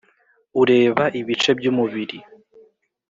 ureba ibice byumubiri.